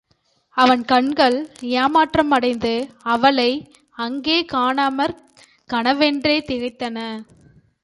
அவன் கண்கள், ஏமாற்றமடைந்து அவளை அங்கே காணாமற் கனவென்றே திகைத்தன.